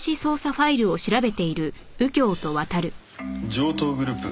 城東グループ